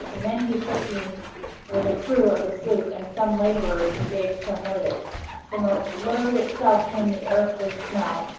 The men who shook me were the crew of the sloop, and some laborers engaged to unload it. From the load itself came the earthly smell.